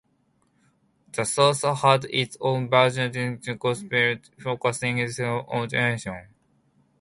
The South had its own version of the Social Gospel, focusing especially on prohibition.